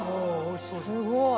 すごい！